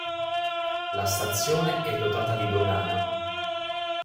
La stazione è dotata di dogana.